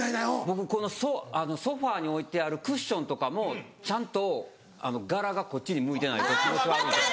僕ソファに置いてあるクッションとかもちゃんと柄がこっちに向いてないと。